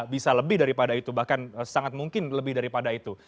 bisa lebih daripada itu bahkan sangat mungkin lebih daripada itu